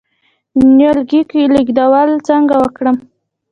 د نیالګي لیږدول څنګه وکړم؟